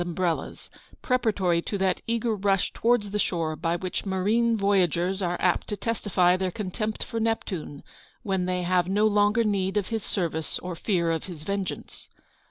umbrellas; preparatory to that eager rush to wards the shore by which marine voyagers are apt to testify their contempt for Neptune, when they have no longer need of his service or fear of his vengeance.